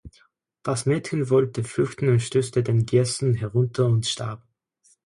Das Mädchen wollte flüchten und stürzte den Giessen herunter und starb.